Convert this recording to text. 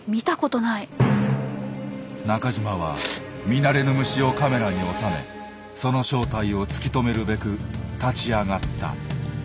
中島は見慣れぬ虫をカメラに収めその正体を突き止めるべく立ち上がった。